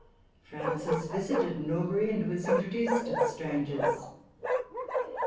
Frances visited Norbury, and was introduced to the strangers.